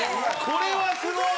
これはすごい！